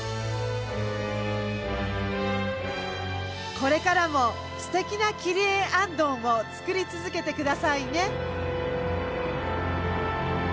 これからもすてきな切り絵行灯を作り続けてくださいね。